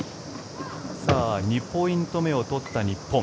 ２ポイント目を取った日本。